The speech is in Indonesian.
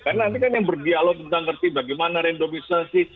karena nanti kan yang berdialog tentang bagaimana randomisasi